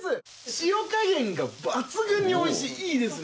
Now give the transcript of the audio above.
塩加減が抜群においしいいいですね！